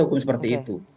hukum seperti itu